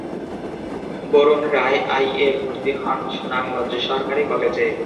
Varun Roy I A ভর্তি হন সুনামগঞ্জ সরকারি কলেজে।